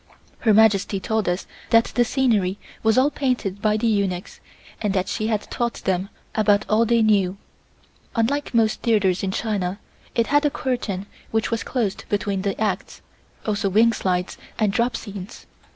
Her Majesty told us that the scenery was all painted by the eunuchs and that she had taught them about all they knew. Unlike most theatres in China, it had a curtain which was closed between the acts, also wing slides and drop scenes.